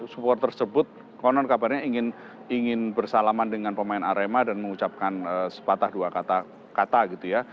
support tersebut konon kabarnya ingin bersalaman dengan pemain arema dan mengucapkan sepatah dua kata gitu ya